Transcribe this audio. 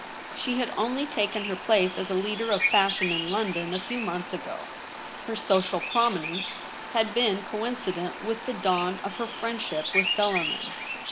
She had only taken her place as a leader of fashion in London a few months ago. Her social prominence had been 7.V THE LOBBY. ■ 23 coincident with the dawn of her friendship with Bellarmin.